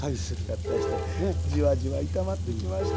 合体してじわじわ炒まってきました。